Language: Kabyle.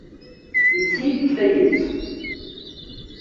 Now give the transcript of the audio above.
Yelles-iyi-d deg tayet.